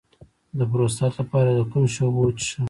د پروستات لپاره د کوم شي اوبه وڅښم؟